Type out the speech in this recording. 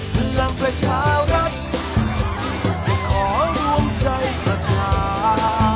พลังประชารัฐจะขอรวมใจประชา